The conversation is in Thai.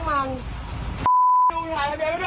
โอ้โหหลังจากนั้นเกิดอะไรขึ้นเนี่ยไปดูคลิปกันก่อนเลยนะครับ